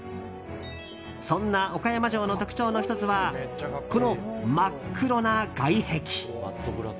そんな岡山城の特徴の１つはこの真っ黒な外壁。